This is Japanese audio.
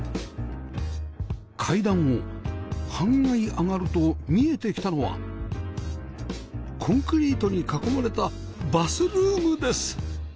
階段を半階上がると見えてきたのはコンクリートに囲まれたバスルームです